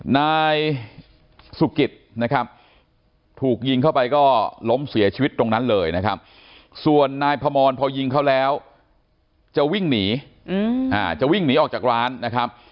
นายสุกิตนะครับถูกยิงเข้าไปก็ล้มเสียชีวิตตรงนั้นเลยนะครับส่วนนายพมรพอยิงเขาแล้วจะวิ่งหนีจะวิ่งหนีออกจากร้านนะครับ